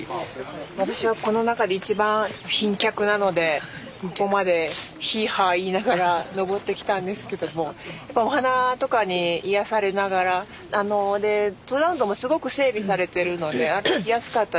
私がこの中で一番貧脚なのでここまでヒーハー言いながら登ってきたんですけどもやっぱお花とかに癒やされながらで登山道もすごく整備されてるので歩きやすかったです。